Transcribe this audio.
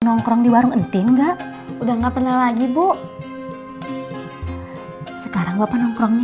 nongkrong di warung entin enggak udah nggak pernah lagi bu sekarang bapak nongkrongnya